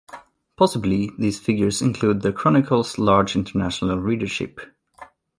Possibly these figures include the Chronicle's large international readership.